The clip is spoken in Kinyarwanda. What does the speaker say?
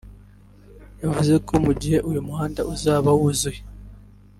yavuze ko mu gihe uyu muhanda uzaba wuzuye